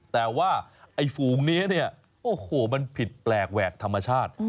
แต่ว่าไอ้ฝูงนี้เนี่ยโอ้โหมันผิดแปลกแหวกธรรมชาติ